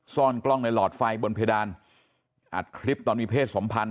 ซ่อนกล้องในหลอดไฟบนเพดานอัดคลิปตอนมีเพศสมพันธ